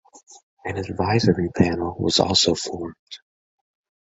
An advisory panel was also formed.